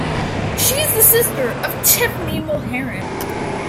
She is the sister of Tiffany Mulheron.